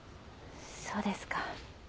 そうですか。